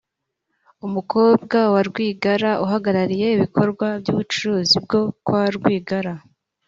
umukobwa wa Rwigara uhagarariye ibikorwa by’ubucuruzi bwo kwa Rwigara